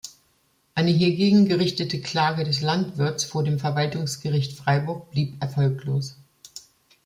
Eine hiergegen gerichtete Klage des Landwirts vor dem Verwaltungsgericht Freiburg blieb erfolglos.